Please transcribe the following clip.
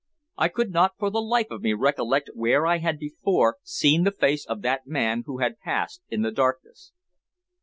I could not for the life of me recollect where I had before seen the face of that man who had passed in the darkness.